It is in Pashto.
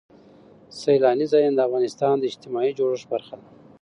سیلانی ځایونه د افغانستان د اجتماعي جوړښت برخه ده.